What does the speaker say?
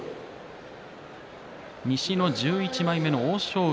西の１１枚目の欧勝海